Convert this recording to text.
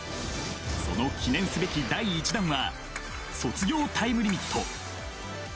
その記念すべき、第１弾は「卒業タイムリミット」。